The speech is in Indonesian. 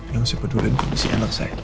yang saya peduli kondisi enak saya